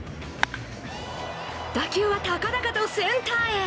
打球は高々とセンターへ。